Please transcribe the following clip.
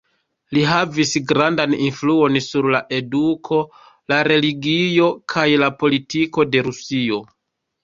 Li havis grandan influon sur la eduko, la religio kaj la politiko de Rusio.